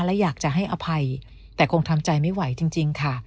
และอยากจะให้อภัยแต่คงทำใจไม่ไหวจริงค่ะ